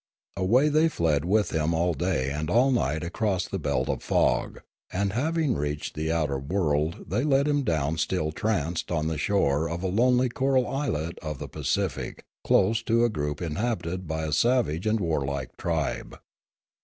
Away they fled with him all day and all night across the belt of fog, and having reached the outer world they let him down still tranced on the shore of a lonely coral islet of the Pacific close to a group inhabited by a savage and warlike tribe.